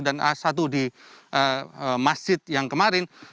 dan satu di masjid yang kemarin